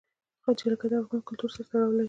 جلګه د افغان کلتور سره تړاو لري.